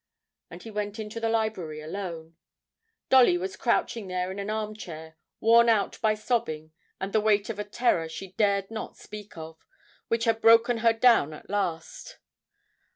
And he went into the library alone. Dolly was crouching there in an arm chair, worn out by sobbing and the weight of a terror she dared not speak of, which had broken her down at last.